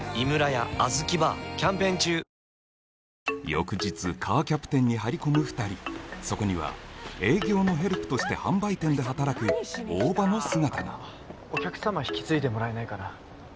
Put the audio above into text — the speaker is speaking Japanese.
翌日カーキャプテンに張り込む２人そこには営業のヘルプとして販売店で働く大庭の姿がお客様引き継いでもらえないかな？